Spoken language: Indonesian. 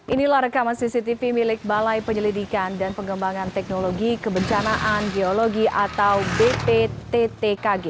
inilah rekaman cctv milik balai penyelidikan dan pengembangan teknologi kebencanaan geologi atau bpttkg